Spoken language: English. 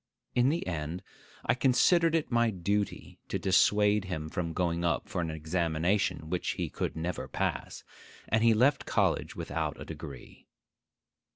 In the end, I considered it my duty to dissuade him from going up for an examination which he could never pass; and he left college without a degree.